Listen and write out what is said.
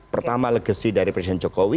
pertama legacy dari presiden jokowi